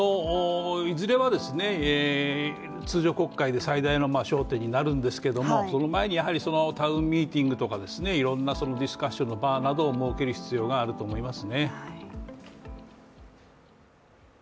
いずれは通常国会で最大の焦点になるんですがその前にやはりタウンミーティングとかいろんなディスカッションの場を設ける必要があると思いますね。